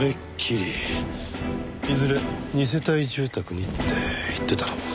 いずれ二世帯住宅にって言ってたのは。